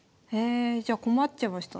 じゃ困っちゃいました。